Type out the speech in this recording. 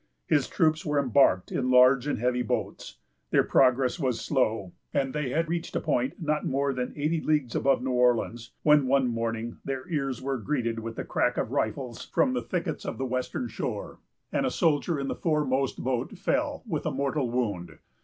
His troops were embarked in large and heavy boats. Their progress was slow; and they had reached a point not more than eighty leagues above New Orleans, when, one morning, their ears were greeted with the crack of rifles from the thickets of the western shore; and a soldier in the foremost boat fell, with a mortal wound.